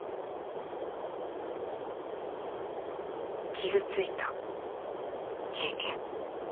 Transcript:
傷ついた経験。